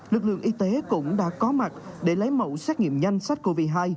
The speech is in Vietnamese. lực lượng y tế cũng đã có mặt để lấy mẫu xét nghiệm nhanh sách covid một mươi chín hai